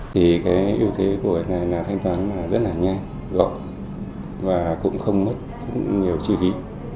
thì cái ưu thế của này là thanh toán rất là nhanh gọn và cũng không mất nhiều chi phí